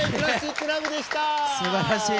すばらしい。